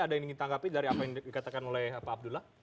ada yang ingin tanggapi dari apa yang dikatakan oleh pak abdullah